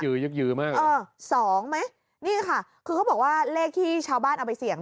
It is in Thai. ยักยื้อบ้างเออสองไหมนี่ค่ะคือเขาบอกว่าเลขที่ชาวบ้านเอาไปเสี่ยง